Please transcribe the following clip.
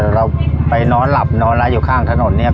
เราไปนอนหลับนอนแล้วอยู่ข้างถนนเนี่ย